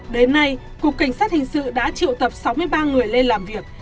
đến nay cục cảnh sát hình sự đã triệu tập sáu mươi ba người lên làm việc